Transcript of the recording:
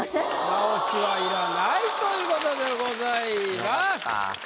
直しはいらないということでございます。